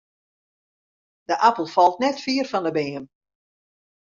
De apel falt net fier fan 'e beam.